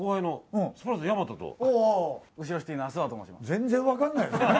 全然分かんないよ。